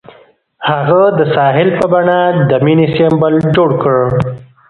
هغه د ساحل په بڼه د مینې سمبول جوړ کړ.